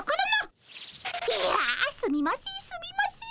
いやすみませんすみません。